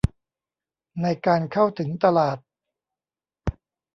ในการเข้าถึงตลาด